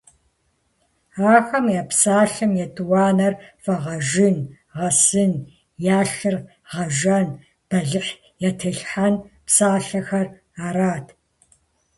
Ахэм я псалъэм етӀуанэр фӀэгъэжын, гъэсын, я лъыр гъэжэн, бэлыхь ятелъхьэн псалъэхэр арат.